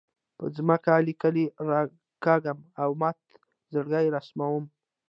په ځمکه لیکې راکاږم او مات زړګۍ رسموم